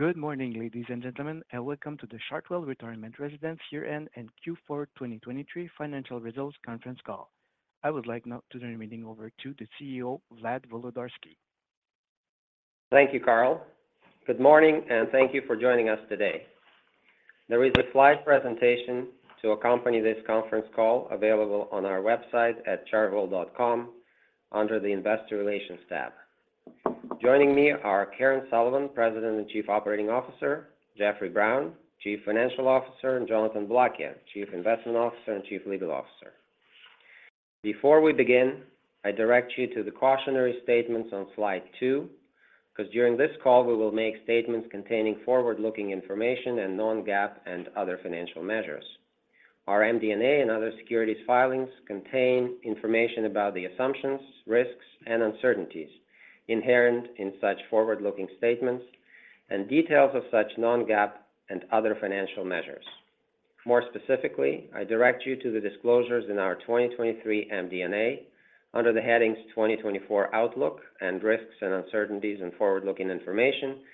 Good morning, ladies and gentlemen, and welcome to the Chartwell Retirement Residences Year-End and Q4 2023 Financial Results Conference Call. I would like now to turn the meeting over to the CEO, Vlad Volodarski. Thank you, Carl. Good morning, and thank you for joining us today. There is a slide presentation to accompany this conference call available on our website at chartwell.com under the Investor Relations tab. Joining me are Karen Sullivan, President and Chief Operating Officer, Jeffrey Brown, Chief Financial Officer, and Jonathan Boulakia, Chief Investment Officer and Chief Legal Officer. Before we begin, I direct you to the cautionary statements on slide 2, because during this call, we will make statements containing forward-looking information and non-GAAP and other financial measures. Our MD&A and other securities filings contain information about the assumptions, risks, and uncertainties inherent in such forward-looking statements and details of such non-GAAP and other financial measures. More specifically, I direct you to the disclosures in our 2023 MD&A under the headings, "2024 Outlook" and "Risks and Uncertainties and Forward-Looking Information"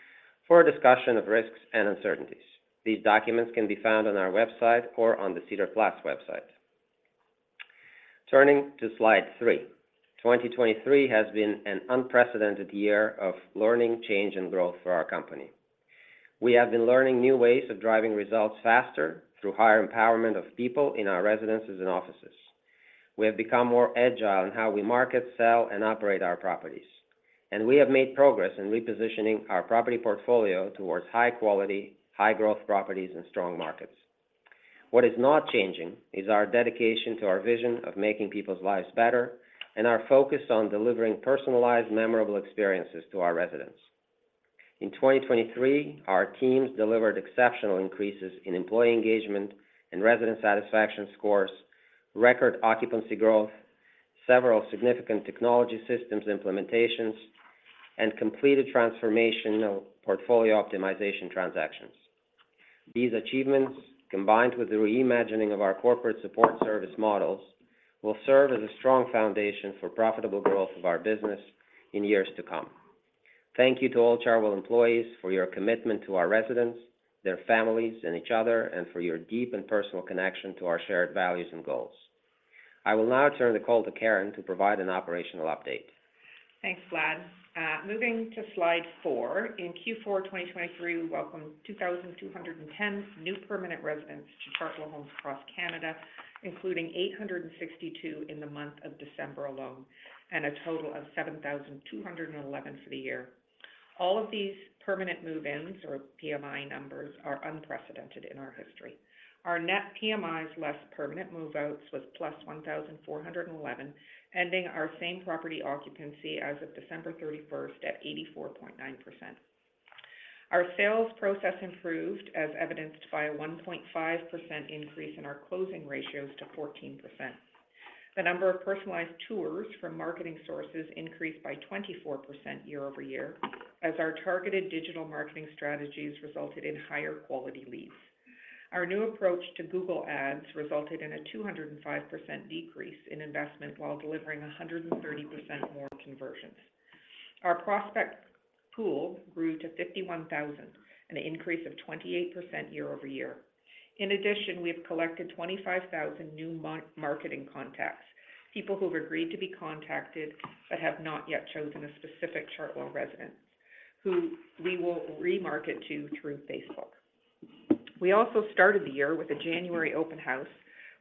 for a discussion of risks and uncertainties. These documents can be found on our website or on the SEDAR+ website. Turning to slide three. 2023 has been an unprecedented year of learning, change, and growth for our company. We have been learning new ways of driving results faster through higher empowerment of people in our residences and offices. We have become more agile in how we market, sell, and operate our properties, and we have made progress in repositioning our property portfolio towards high quality, high growth properties, and strong markets. What is not changing is our dedication to our vision of making people's lives better and our focus on delivering personalized, memorable experiences to our residents. In 2023, our teams delivered exceptional increases in employee engagement and resident satisfaction scores, record occupancy growth, several significant technology systems implementations, and completed transformational portfolio optimization transactions. These achievements, combined with the reimagining of our corporate support service models, will serve as a strong foundation for profitable growth of our business in years to come. Thank you to all Chartwell employees for your commitment to our residents, their families, and each other, and for your deep and personal connection to our shared values and goals. I will now turn the call to Karen to provide an operational update. Thanks, Vlad. Moving to slide four. In Q4 2023, we welcomed 2,010 new permanent residents to Chartwell homes across Canada, including 862 in the month of December alone, and a total of 7,211 for the year. All of these permanent move-ins, or PMI numbers, are unprecedented in our history. Our net PMIs, less permanent move-outs, was plus 1,411, ending our same property occupancy as of December 31st at 84.9%. Our sales process improved, as evidenced by a 1.5% increase in our closing ratios to 14%. The number of personalized tours from marketing sources increased by 24% year-over-year, as our targeted digital marketing strategies resulted in higher quality leads. Our new approach to Google Ads resulted in a 205% decrease in investment while delivering 130% more conversions. Our prospect pool grew to 51,000, an increase of 28% year-over-year. In addition, we have collected 25,000 new marketing contacts, people who have agreed to be contacted but have not yet chosen a specific Chartwell residence, who we will remarket to through Facebook. We also started the year with a January open house,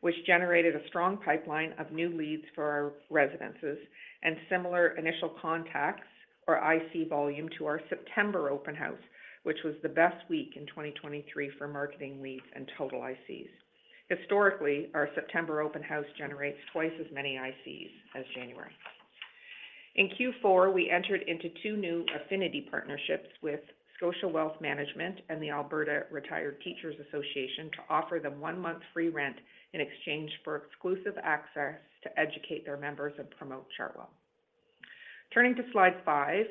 which generated a strong pipeline of new leads for our residences and similar initial contacts, or IC volume, to our September open house, which was the best week in 2023 for marketing leads and total ICs. Historically, our September open house generates twice as many ICs as January. In Q4, we entered into two new affinity partnerships with Scotia Wealth Management and the Alberta Retired Teachers Association to offer them one month free rent in exchange for exclusive access to educate their members and promote Chartwell. Turning to slide 5,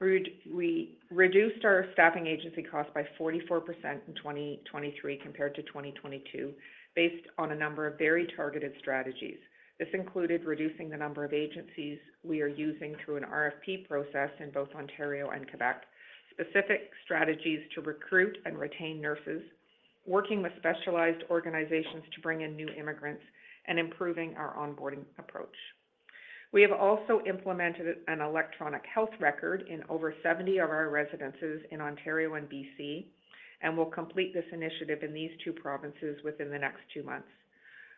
we reduced our staffing agency cost by 44% in 2023 compared to 2022, based on a number of very targeted strategies. This included reducing the number of agencies we are using through an RFP process in both Ontario and Quebec, specific strategies to recruit and retain nurses, working with specialized organizations to bring in new immigrants, and improving our onboarding approach. We have also implemented an electronic health record in over 70 of our residences in Ontario and BC, and will complete this initiative in these two provinces within the next two months.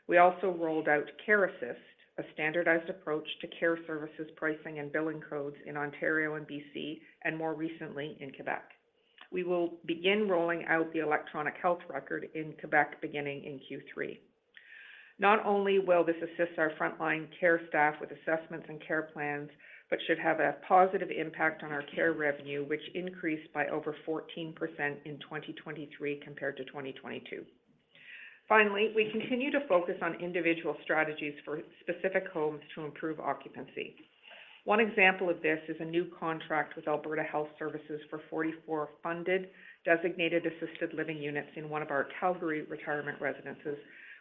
We also rolled out CareAssist, a standardized approach to care services, pricing, and billing codes in Ontario and BC, and more recently in Quebec. We will begin rolling out the electronic health record in Quebec, beginning in Q3. Not only will this assist our frontline care staff with assessments and care plans, but should have a positive impact on our care revenue, which increased by over 14% in 2023 compared to 2022. Finally, we continue to focus on individual strategies for specific homes to improve occupancy. One example of this is a new contract with Alberta Health Services for 44 funded, designated assisted living units in one of our Calgary retirement residences,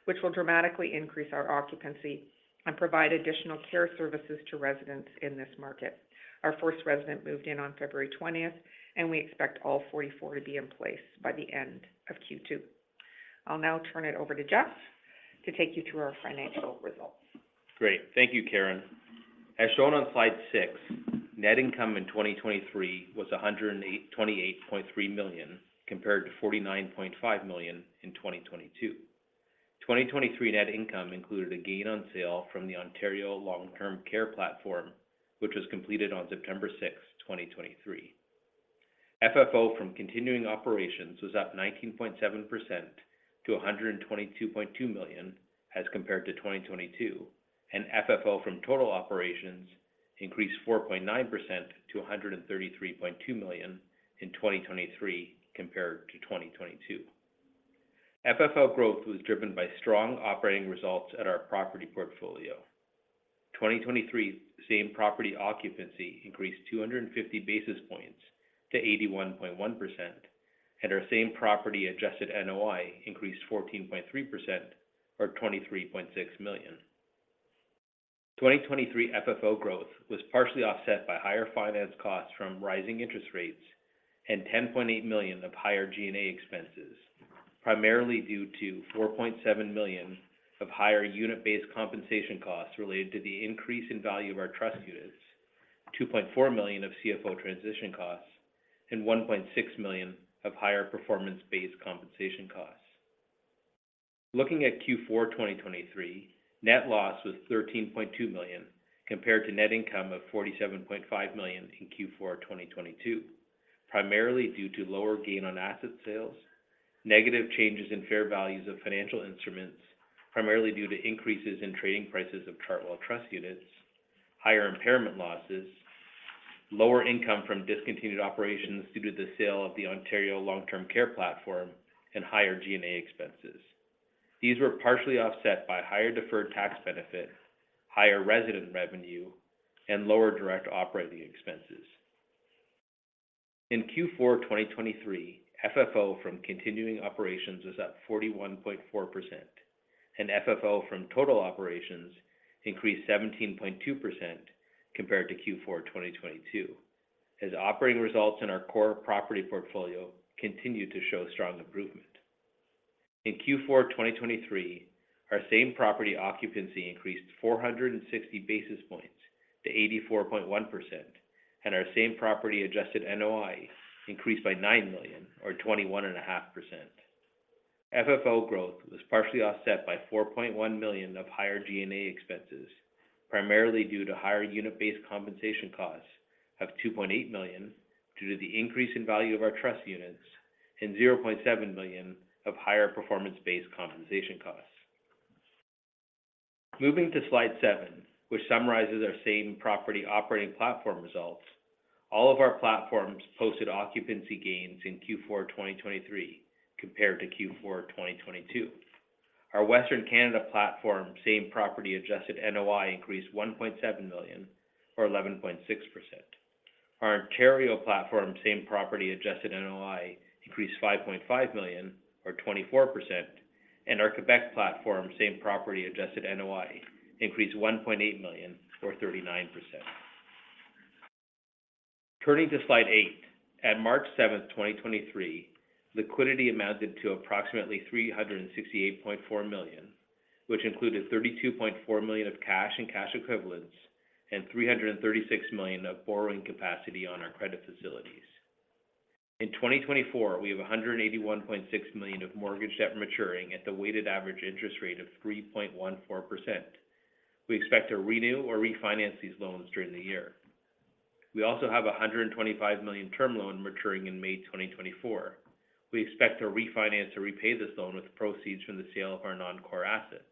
which will dramatically increase our occupancy and provide additional care services to residents in this market. Our first resident moved in on February 20th, and we expect all 44 to be in place by the end of Q2. I'll now turn it over to Jeff to take you through our financial results. Great. Thank you, Karen. As shown on slide 6, net income in 2023 was 28.3 million, compared to 49.5 million in 2022. 2023 net income included a gain on sale from the Ontario Long-Term Care platform, which was completed on September 6, 2023. FFO from continuing operations was up 19.7% to 122.2 million as compared to 2022, and FFO from total operations increased 4.9% to 133.2 million in 2023 compared to 2022. FFO growth was driven by strong operating results at our property portfolio. 2023, same property occupancy increased 250 basis points to 81.1%, and our same property adjusted NOI increased 14.3% or 23.6 million. 2023 FFO growth was partially offset by higher finance costs from rising interest rates and 10.8 million of higher G&A expenses, primarily due to 4.7 million of higher unit-based compensation costs related to the increase in value of our trust units, 2.4 million of CFO transition costs, and 1.6 million of higher performance-based compensation costs. Looking at Q4 2023, net loss was CAD 13.2 million, compared to net income of CAD 47.5 million in Q4 2022, primarily due to lower gain on asset sales, negative changes in fair values of financial instruments, primarily due to increases in trading prices of Chartwell trust units, higher impairment losses, lower income from discontinued operations due to the sale of the Ontario Long-Term Care platform, and higher G&A expenses. These were partially offset by higher deferred tax benefit, higher resident revenue, and lower direct operating expenses. In Q4 of 2023, FFO from continuing operations was up 41.4%, and FFO from total operations increased 17.2% compared to Q4, 2022, as operating results in our core property portfolio continued to show strong improvement. In Q4, 2023, our same property occupancy increased 460 basis points to 84.1%, and our same property adjusted NOI increased by 9 million or 21.5%. FFO growth was partially offset by 4.1 million of higher G&A expenses, primarily due to higher unit-based compensation costs of 2.8 million, due to the increase in value of our trust units, and 0.7 million of higher performance-based compensation costs. Moving to slide 7, which summarizes our same property operating platform results, all of our platforms posted occupancy gains in Q4 2023, compared to Q4 2022. Our Western Canada platform, same property adjusted NOI increased 1.7 million or 11.6%. Our Ontario platform, same property adjusted NOI increased 5.5 million or 24%, and our Quebec platform, same property adjusted NOI increased 1.8 million or 39%. Turning to slide 8. At March 7, 2023, liquidity amounted to approximately 368.4 million, which included 32.4 million of cash and cash equivalents, and 336 million of borrowing capacity on our credit facilities. In 2024, we have 181.6 million of mortgage debt maturing at the weighted average interest rate of 3.14%. We expect to renew or refinance these loans during the year. We also have 125 million term loan maturing in May 2024. We expect to refinance or repay this loan with proceeds from the sale of our non-core assets.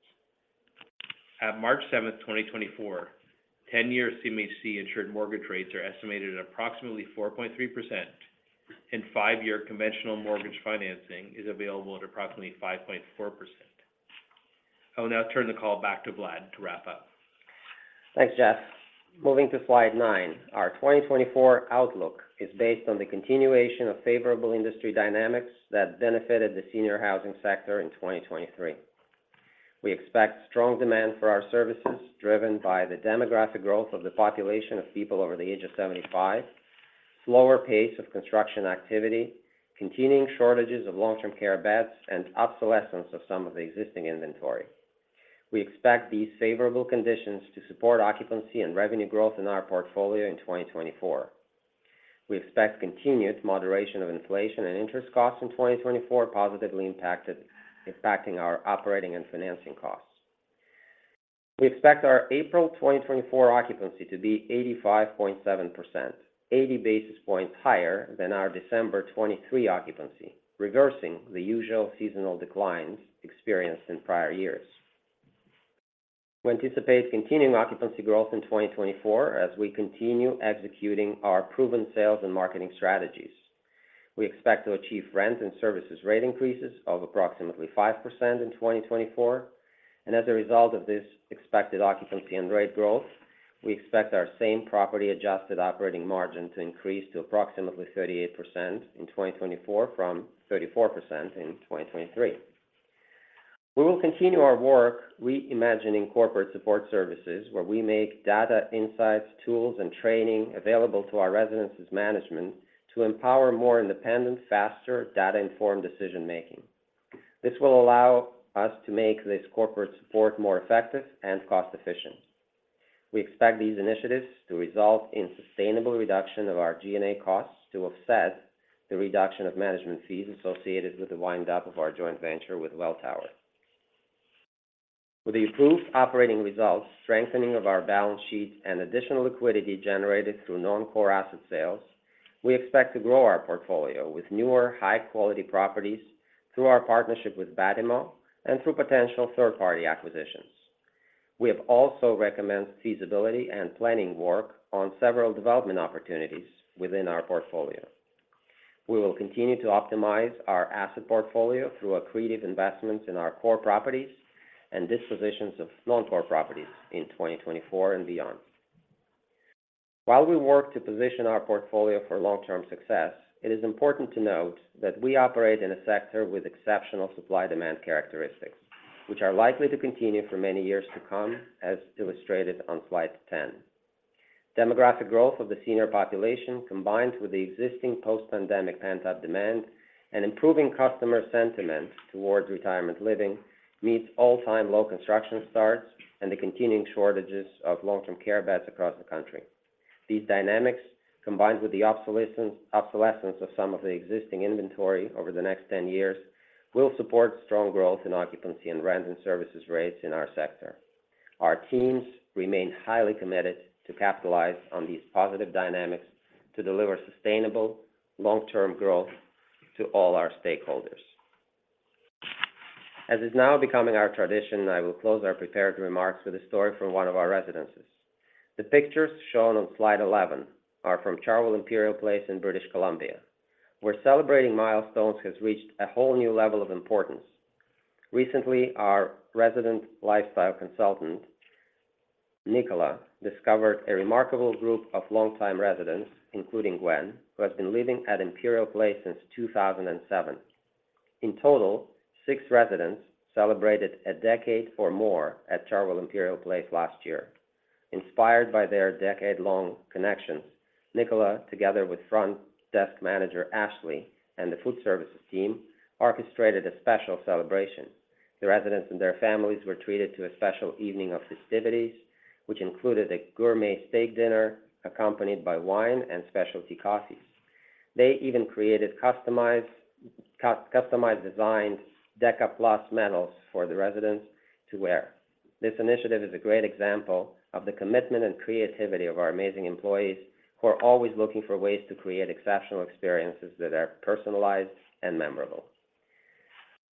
At March 7, 2024, 10-year CMHC insured mortgage rates are estimated at approximately 4.3%, and 5-year conventional mortgage financing is available at approximately 5.4%. I will now turn the call back to Vlad to wrap up. Thanks, Jeff. Moving to slide 9, our 2024 outlook is based on the continuation of favorable industry dynamics that benefited the senior housing sector in 2023. We expect strong demand for our services, driven by the demographic growth of the population of people over the age of 75, slower pace of construction activity, continuing shortages of long-term care beds, and obsolescence of some of the existing inventory. We expect these favorable conditions to support occupancy and revenue growth in our portfolio in 2024. We expect continued moderation of inflation and interest costs in 2024, impacting our operating and financing costs. We expect our April 2024 occupancy to be 85.7%, 80 basis points higher than our December 2023 occupancy, reversing the usual seasonal declines experienced in prior years. We anticipate continuing occupancy growth in 2024 as we continue executing our proven sales and marketing strategies. We expect to achieve rent and services rate increases of approximately 5% in 2024, and as a result of this expected occupancy and rate growth, we expect our same property-adjusted operating margin to increase to approximately 38% in 2024 from 34% in 2023. We will continue our work reimagining corporate support services, where we make data, insights, tools, and training available to our residences management to empower more independent, faster, data-informed decision-making. This will allow us to make this corporate support more effective and cost efficient. We expect these initiatives to result in sustainable reduction of our G&A costs to offset the reduction of management fees associated with the wind up of our joint venture with Welltower. With the improved operating results, strengthening of our balance sheet, and additional liquidity generated through non-core asset sales, we expect to grow our portfolio with newer, high-quality properties through our partnership with Batimo and through potential third-party acquisitions. We have also recommended feasibility and planning work on several development opportunities within our portfolio. We will continue to optimize our asset portfolio through accretive investments in our core properties and dispositions of non-core properties in 2024 and beyond. While we work to position our portfolio for long-term success, it is important to note that we operate in a sector with exceptional supply-demand characteristics, which are likely to continue for many years to come, as illustrated on slide 10. Demographic growth of the senior population, combined with the existing post-pandemic pent-up demand and improving customer sentiment towards retirement living, meets all-time low construction starts and the continuing shortages of long-term care beds across the country. These dynamics, combined with the obsolescence of some of the existing inventory over the next 10 years, will support strong growth in occupancy and rent and services rates in our sector. Our teams remain highly committed to capitalize on these positive dynamics to deliver sustainable, long-term growth to all our stakeholders. As is now becoming our tradition, I will close our prepared remarks with a story from one of our residences. The pictures shown on slide 11 are from Chartwell Imperial Place in British Columbia, where celebrating milestones has reached a whole new level of importance. Recently, our resident lifestyle consultant, Nicola, discovered a remarkable group of longtime residents, including Gwen, who has been living at Imperial Place since 2007. In total, six residents celebrated a decade or more at Chartwell Imperial Place last year. Inspired by their decade-long connections, Nicola, together with Front Desk Manager, Ashley, and the food services team, orchestrated a special celebration. The residents and their families were treated to a special evening of festivities, which included a gourmet steak dinner accompanied by wine and specialty coffees. They even created customized designed Decade Plus medals for the residents to wear. This initiative is a great example of the commitment and creativity of our amazing employees, who are always looking for ways to create exceptional experiences that are personalized and memorable.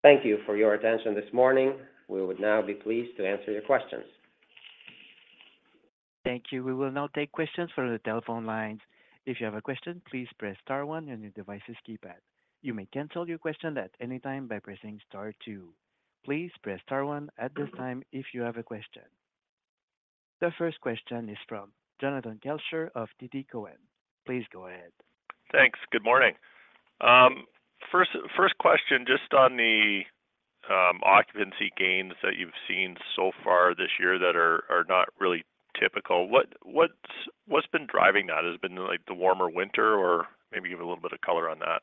Thank you for your attention this morning. We would now be pleased to answer your questions. Thank you. We will now take questions from the telephone lines. If you have a question, please press star one on your device's keypad. You may cancel your question at any time by pressing star two. Please press star one at this time if you have a question. The first question is from Jonathan Kelcher of TD Cowen. Please go ahead. Thanks. Good morning. First question, just on the occupancy gains that you've seen so far this year that are not really typical. What's been driving that? Has it been, like, the warmer winter, or maybe give a little bit of color on that?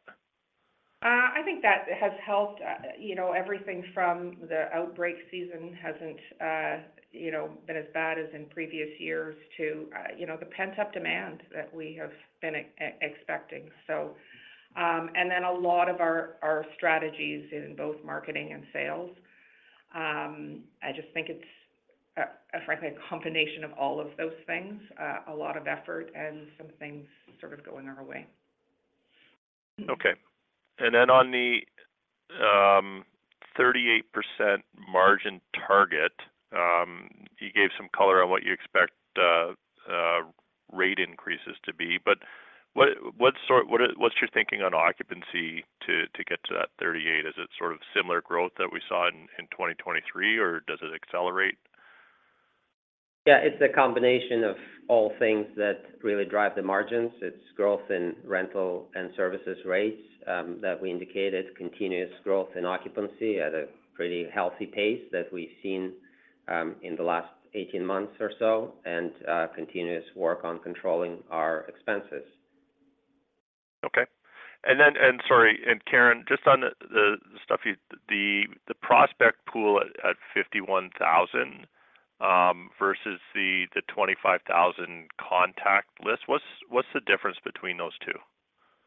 I think that has helped. You know, everything from the outbreak season hasn't, you know, been as bad as in previous years to, you know, the pent-up demand that we have been expecting. So, and then a lot of our strategies in both marketing and sales. I just think it's frankly a combination of all of those things, a lot of effort and some things sort of going our way. Okay. And then on the 38% margin target, you gave some color on what you expect rate increases to be. But what sort of—what's your thinking on occupancy to get to that 38? Is it sort of similar growth that we saw in 2023, or does it accelerate? Yeah, it's a combination of all things that really drive the margins. It's growth in rental and services rates that we indicated, continuous growth in occupancy at a pretty healthy pace that we've seen in the last 18 months or so, and continuous work on controlling our expenses. Okay. And then, sorry, Karen, just on the stuff you... The prospect pool at 51,000 versus the 25,000 contact list, what's the difference between those two?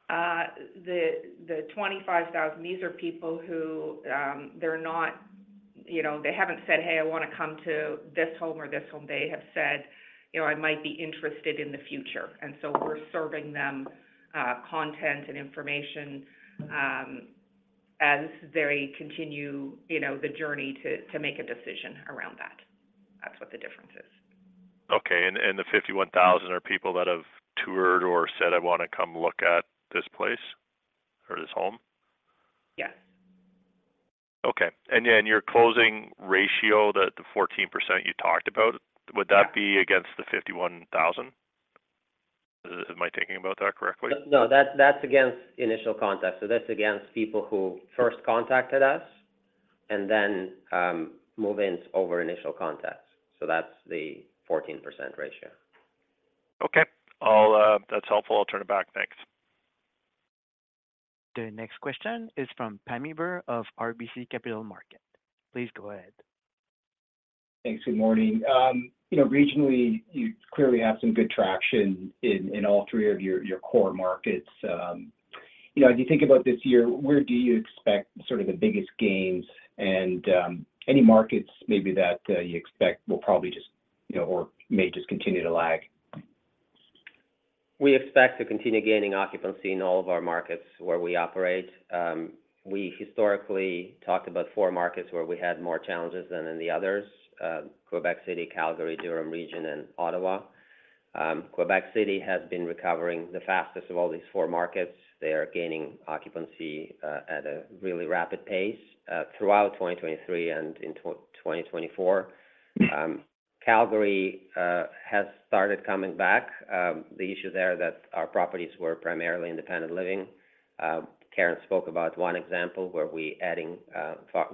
The 25,000, these are people who, they're not... You know, they haven't said, "Hey, I wanna come to this home or this home." They have said, "You know, I might be interested in the future." And so we're serving them content and information as they continue, you know, the journey to make a decision around that. That's what the difference is. Okay. And the 51,000 are people that have toured or said, "I wanna come look at this place or this home? Yes. Okay. And yeah, and your closing ratio, that the 14% you talked about- Yeah Would that be against the 51,000? Am I thinking about that correctly? No, that's, that's against initial contact. So that's against people who first contacted us, and then, move-ins over initial contacts. So that's the 14% ratio. Okay. That's helpful. I'll turn it back. Thanks. The next question is from Pammi Bir of RBC Capital Markets. Please go ahead. Thanks. Good morning. You know, regionally, you clearly have some good traction in, in all three of your, your core markets. You know, as you think about this year, where do you expect sort of the biggest gains? And, any markets maybe that, you expect will probably just, you know, or may just continue to lag? We expect to continue gaining occupancy in all of our markets where we operate. We historically talked about four markets where we had more challenges than in the others: Quebec City, Calgary, Durham Region, and Ottawa. Quebec City has been recovering the fastest of all these four markets. They are gaining occupancy at a really rapid pace throughout 2023 and in 2024. Calgary has started coming back. The issue there that our properties were primarily independent living. Karen spoke about one example where we're adding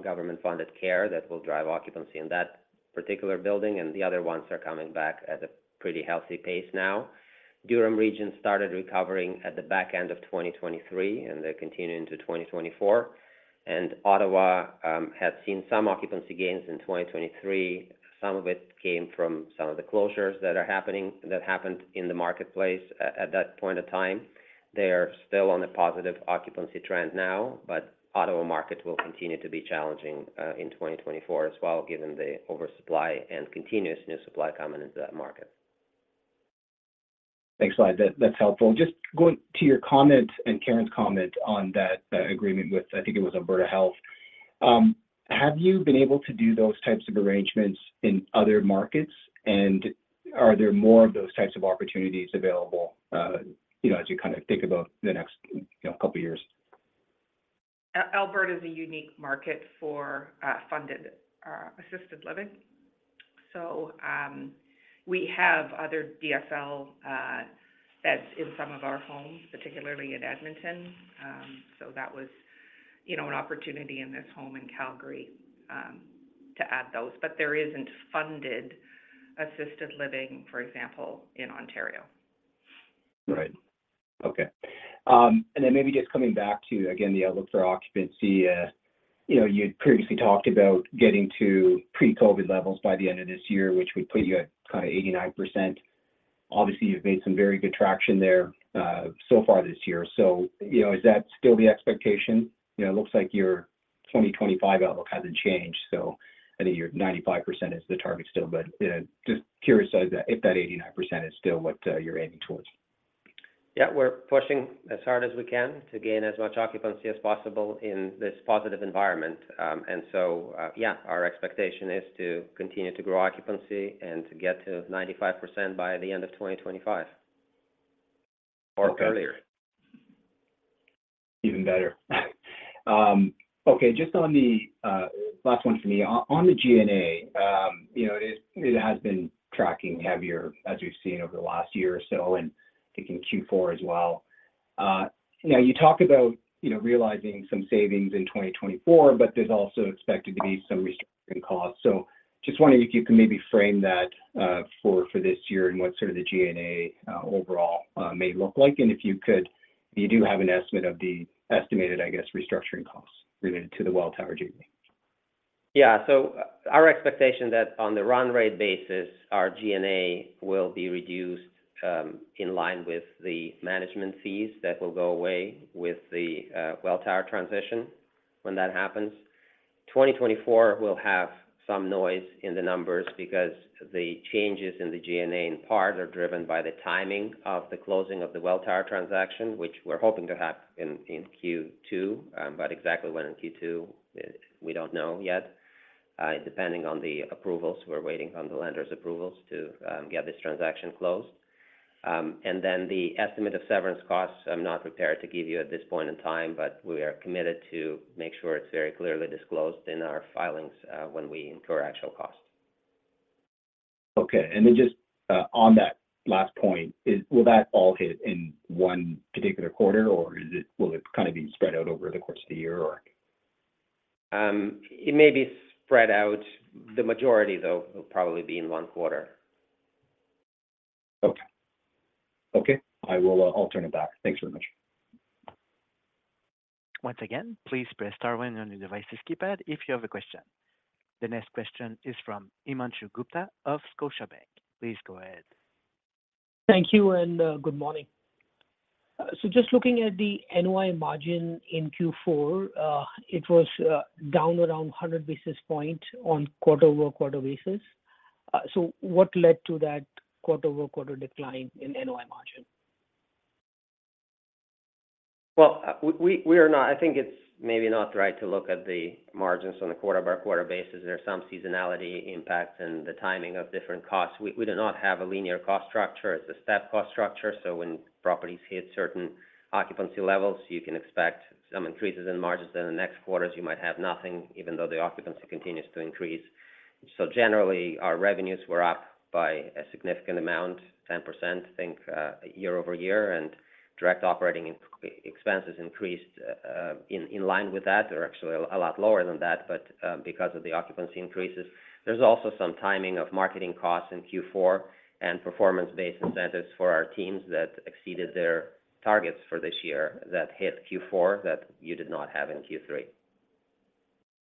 government-funded care that will drive occupancy in that particular building, and the other ones are coming back at a pretty healthy pace now. Durham Region started recovering at the back end of 2023, and they're continuing to 2024. And Ottawa has seen some occupancy gains in 2023. Some of it came from some of the closures that are happening, that happened in the marketplace at that point in time. They are still on a positive occupancy trend now, but Ottawa market will continue to be challenging in 2024 as well, given the oversupply and continuous new supply coming into that market. Thanks a lot. That, that's helpful. Just going to your comment and Karen's comment on that, agreement with, I think it was Alberta Health Services. Have you been able to do those types of arrangements in other markets, and are there more of those types of opportunities available, you know, as you kind of think about the next, you know, couple of years? Alberta is a unique market for funded assisted living. So we have other DSL beds in some of our homes, particularly in Edmonton. So that was, you know, an opportunity in this home in Calgary to add those. But there isn't funded assisted living, for example, in Ontario. Right. Okay. And then maybe just coming back to, again, the outlook for occupancy. You know, you previously talked about getting to pre-COVID levels by the end of this year, which would put you at 89%. Obviously, you've made some very good traction there, so far this year. So, you know, is that still the expectation? You know, it looks like your 2025 outlook hasn't changed, so I think your 95% is the target still. But, you know, just curious if that, if that 89% is still what you're aiming towards. Yeah, we're pushing as hard as we can to gain as much occupancy as possible in this positive environment. And so, yeah, our expectation is to continue to grow occupancy and to get to 95% by the end of 2025 or earlier. Even better. Okay, just on the... Last one for me. On the G&A, you know, it, it has been tracking heavier as we've seen over the last year or so, and I think in Q4 as well. You know, you talked about, you know, realizing some savings in 2024, but there's also expected to be some restructuring costs. So just wondering if you can maybe frame that, for this year and what sort of the G&A, overall, may look like. And if you could, if you do have an estimate of the estimated, I guess, restructuring costs related to the Welltower journey. Yeah. So our expectation that on the run rate basis, our G&A will be reduced, in line with the management fees that will go away with the Welltower transition when that happens. 2024 will have some noise in the numbers because the changes in the G&A, in part, are driven by the timing of the closing of the Welltower transaction, which we're hoping to have in Q2. But exactly when in Q2, we don't know yet. Depending on the approvals, we're waiting on the lenders' approvals to get this transaction closed. And then the estimate of severance costs, I'm not prepared to give you at this point in time, but we are committed to make sure it's very clearly disclosed in our filings, when we incur actual costs. Okay. And then just on that last point, will that all hit in one particular quarter, or will it kind of be spread out over the course of the year, or? It may be spread out. The majority, though, will probably be in one quarter. Okay. Okay, I will, I'll turn it back. Thanks very much. Once again, please press star one on your device's keypad if you have a question. The next question is from Himanshu Gupta of Scotiabank. Please go ahead. Thank you, and, good morning. So just looking at the NOI margin in Q4, it was down around 100 basis points on quarter-over-quarter basis. So what led to that quarter-over-quarter decline in NOI margin? Well, we are not. I think it's maybe not right to look at the margins on a quarter-by-quarter basis. There's some seasonality impacts and the timing of different costs. We do not have a linear cost structure. It's a step cost structure, so when properties hit certain occupancy levels, you can expect some increases in margins. In the next quarters, you might have nothing, even though the occupancy continues to increase.... So generally, our revenues were up by a significant amount, 10%, I think, year-over-year, and direct operating expenses increased in line with that, or actually a lot lower than that, but because of the occupancy increases. There's also some timing of marketing costs in Q4 and performance-based incentives for our teams that exceeded their targets for this year, that hit Q4, that you did not have in Q3.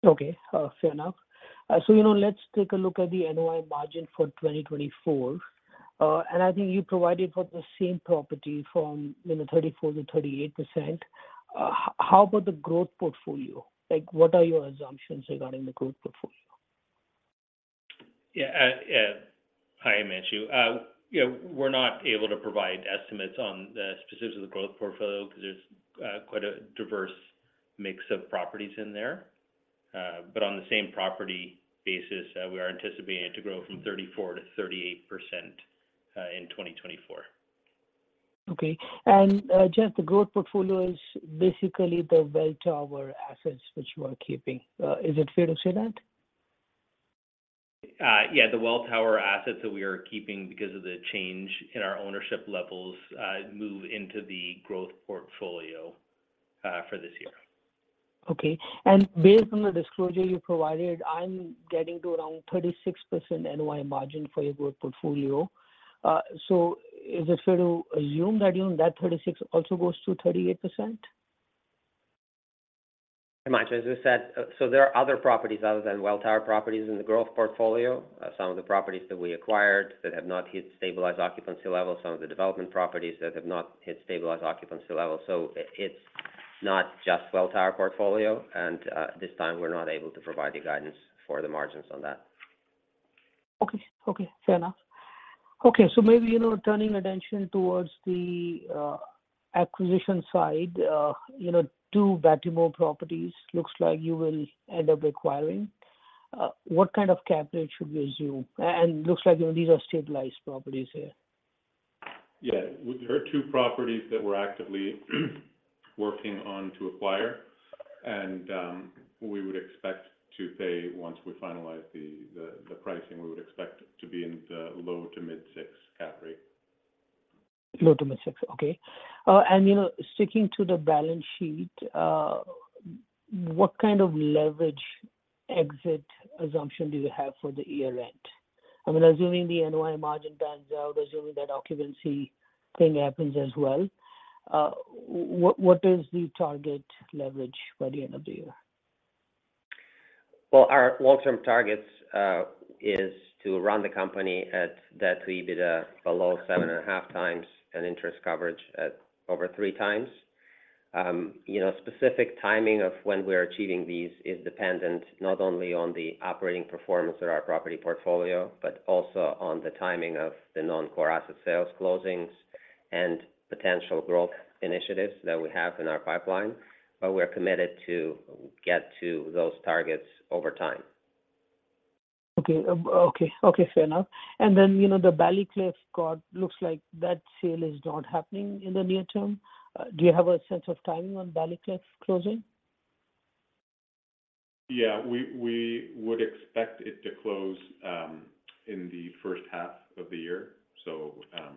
Okay, fair enough. So, you know, let's take a look at the NOI margin for 2024. And I think you provided for the same property from, you know, 34%-38%. How about the growth portfolio? Like, what are your assumptions regarding the growth portfolio? Yeah, hi, Himanshu. You know, we're not able to provide estimates on the specifics of the growth portfolio because there's quite a diverse mix of properties in there. But on the same property basis, we are anticipating it to grow from 34%-38% in 2024. Okay. Jeff, the growth portfolio is basically the Welltower assets which you are keeping. Is it fair to say that? Yeah, the Welltower assets that we are keeping because of the change in our ownership levels move into the growth portfolio for this year. Okay. And based on the disclosure you provided, I'm getting to around 36% NOI margin for your growth portfolio. So is it fair to assume that, you know, that 36% also goes to 38%? Hi, Himanshu. As we said, so there are other properties other than Welltower properties in the growth portfolio. Some of the properties that we acquired that have not hit stabilized occupancy levels, some of the development properties that have not hit stabilized occupancy levels. So it's not just Welltower portfolio, and, this time we're not able to provide the guidance for the margins on that. Okay. Okay, fair enough. Okay, so maybe, you know, turning attention towards the acquisition side, you know, two Batimo properties looks like you will end up acquiring. What kind of cap rate should we assume? And looks like, you know, these are stabilized properties here. Yeah. There are two properties that we're actively working on to acquire, and we would expect to pay once we finalize the pricing, we would expect to be in the low- to mid-6 cap rate. Low- to mid-6. Okay. And, you know, sticking to the balance sheet, what kind of leverage exit assumption do you have for the year-end? I mean, assuming the NOI margin pans out, assuming that occupancy thing happens as well, what, what is the target leverage by the end of the year? Well, our long-term targets is to run the company at net EBITDA below 7.5x, and interest coverage at over 3x. You know, specific timing of when we're achieving these is dependent not only on the operating performance of our property portfolio, but also on the timing of the non-core asset sales closings and potential growth initiatives that we have in our pipeline, but we're committed to get to those targets over time. Okay. Okay, fair enough. And then, you know, the Ballycliffe court looks like that sale is not happening in the near term. Do you have a sense of timing on Ballycliffe closing? Yeah, we would expect it to close in the first half of the year. So, you know,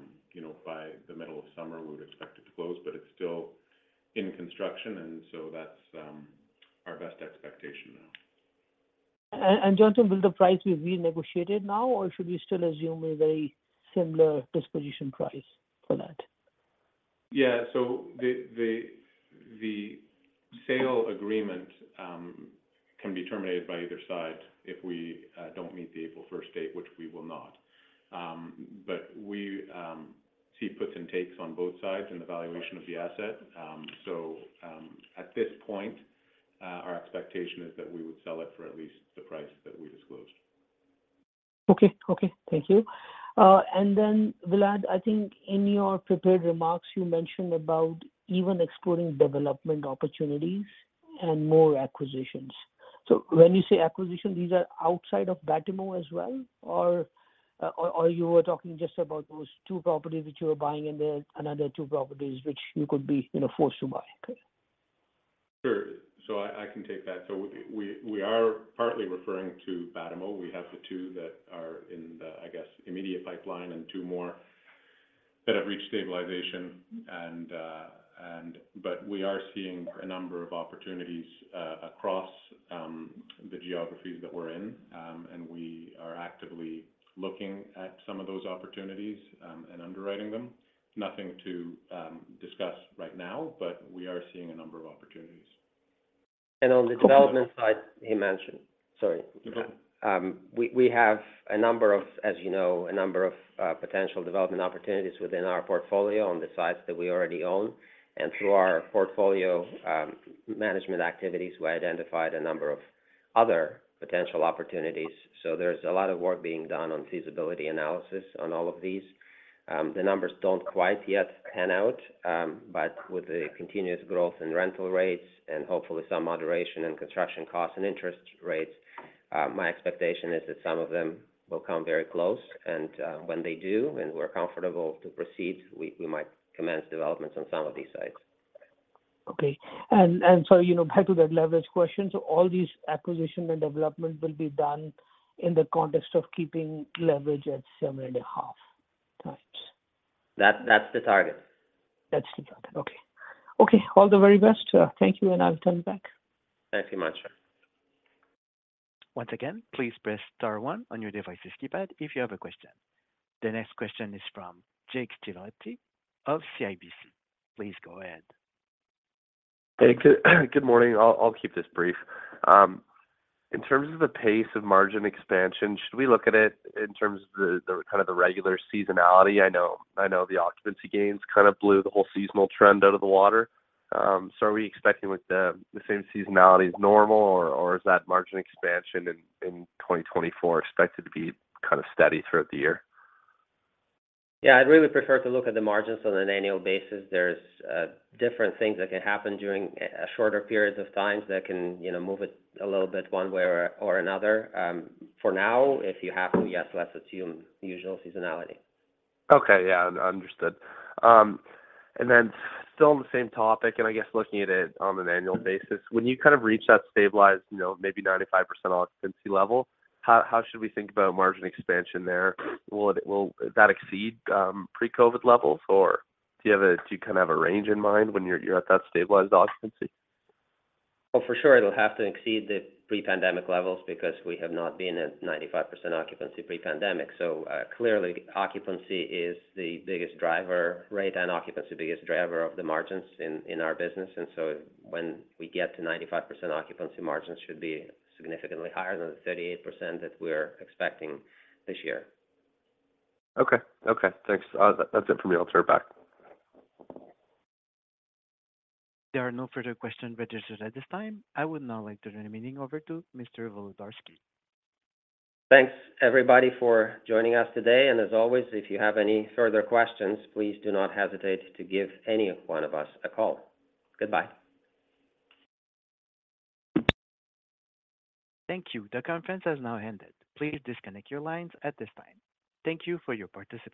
by the middle of summer, we would expect it to close, but it's still in construction, and so that's our best expectation now. And Jonathan, will the price be renegotiated now, or should we still assume a very similar disposition price for that? Yeah. So the sale agreement can be terminated by either side if we don't meet the April first date, which we will not. But we see puts and takes on both sides in the valuation of the asset. So at this point, our expectation is that we would sell it for at least the price that we disclosed. Okay. Okay, thank you. And then, Vlad, I think in your prepared remarks, you mentioned about even exploring development opportunities and more acquisitions. So when you say acquisitions, these are outside of Batimo as well, or, or, or you were talking just about those two properties which you are buying and there another two properties which you could be, you know, forced to buy? Sure. So I can take that. So we are partly referring to Batimo. We have the two that are in the, I guess, immediate pipeline, and two more that have reached stabilization. But we are seeing a number of opportunities across the geographies that we're in, and we are actively looking at some of those opportunities and underwriting them. Nothing to discuss right now, but we are seeing a number of opportunities. On the development side, he mentioned... Sorry. Go ahead. We have a number of, as you know, potential development opportunities within our portfolio on the sites that we already own. Through our portfolio management activities, we identified a number of other potential opportunities. There's a lot of work being done on feasibility analysis on all of these. The numbers don't quite yet pan out, but with the continuous growth in rental rates and hopefully some moderation in construction costs and interest rates, my expectation is that some of them will come very close, and when they do and we're comfortable to proceed, we might commence developments on some of these sites. Okay. And so, you know, back to that leverage question. So all these acquisition and development will be done in the context of keeping leverage at 7.5 times? That, that's the target. That's the target. Okay. Okay, all the very best. Thank you, and I'll turn back. Thank you much, sir. Once again, please press star one on your device's keypad if you have a question. The next question is from Jake Stivaletti of CIBC. Please go ahead. Hey, good, good morning. I'll keep this brief. In terms of the pace of margin expansion, should we look at it in terms of the kind of the regular seasonality? I know, I know the occupancy gains kind of blew the whole seasonal trend out of the water. So are we expecting with the same seasonality as normal, or is that margin expansion in 2024 expected to be kind of steady throughout the year? Yeah, I'd really prefer to look at the margins on an annual basis. There's different things that can happen during a shorter periods of times that can, you know, move it a little bit one way or another. For now, if you have to, yes, let's assume usual seasonality. Okay. Yeah, understood. And then still on the same topic, and I guess looking at it on an annual basis, when you kind of reach that stabilized, you know, maybe 95% occupancy level, how should we think about margin expansion there? Will that exceed pre-COVID levels, or do you kind of have a range in mind when you're at that stabilized occupancy? Well, for sure it'll have to exceed the pre-pandemic levels because we have not been at 95% occupancy pre-pandemic. So, clearly, occupancy is the biggest driver, rate and occupancy, the biggest driver of the margins in our business. And so when we get to 95% occupancy, margins should be significantly higher than the 38% that we're expecting this year. Okay. Okay, thanks. That's it for me. I'll turn back. There are no further questions registered at this time. I would now like to turn the meeting over to Mr. Volodarski. Thanks, everybody, for joining us today. As always, if you have any further questions, please do not hesitate to give any one of us a call. Goodbye. Thank you. The conference has now ended. Please disconnect your lines at this time. Thank you for your participation.